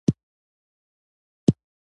ستا کار د ستايلو وړ دی